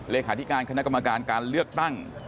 เลขาธิการคณะกรรมการการเลือกตั้ง